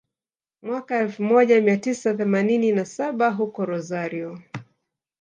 mwaka elfu moja mia tisa themanini na saba huko Rosario